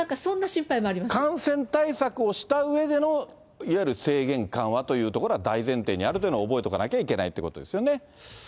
感染対策をしたうえでの、いわゆる制限緩和というところは大前提にあるというのは覚えとかなきゃいけないということですよね。